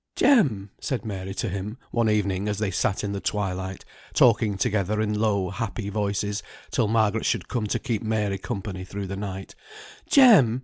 "Jem!" said Mary to him, one evening as they sat in the twilight, talking together in low happy voices till Margaret should come to keep Mary company through the night, "Jem!